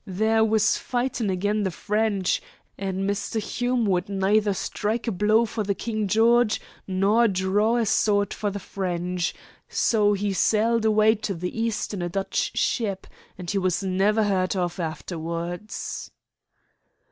There was fightin' agin' the French, an' Mr. Hume would neither strike a blow for King George nor draw a sword for the French, so he sailed away to the East in a Dutch ship, and he was never heard of afterwards."